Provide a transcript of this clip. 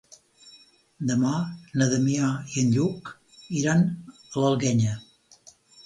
Demà na Damià i en Lluc iran a l'Alguenya.